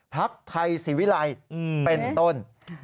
พักไทยศิวิลัยเป็นต้น